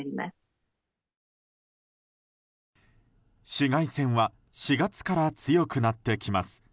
紫外線は４月から強くなってきます。